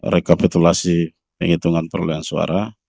rekapitulasi penghitungan perolehan suara